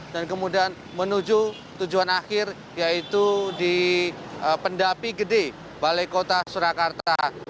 dan kemudian menuju tujuan akhir yaitu di pendapi gede balai kota surakarta